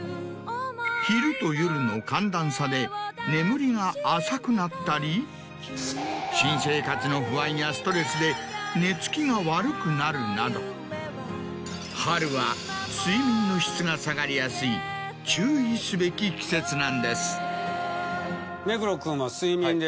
昼と夜の寒暖差で眠りが浅くなったり新生活の不安やストレスで寝つきが悪くなるなど春は睡眠の質が下がりやすい注意すべき季節なんです。